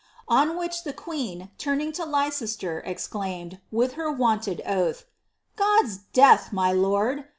On which the queen, turning to Leicester, exclaimed, with her wonted oath, « God's death, my lord